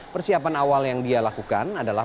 persiapan awal yang dia lakukan adalah